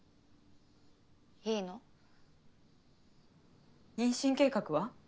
いいの。妊娠計画は？